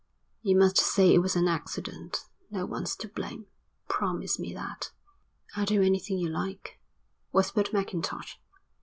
"You must say it was an accident. No one's to blame. Promise me that." "I'll do anything you like," whispered Mackintosh.